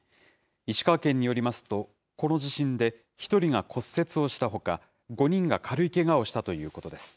石川県によりますと、この地震で１人が骨折をしたほか、５人が軽いけがをしたということです。